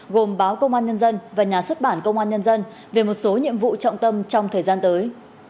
gồm báo công an nhân dân và nhà xuất bản công an nhân dân về một số nhiệm vụ trọng tâm trong thời gian tới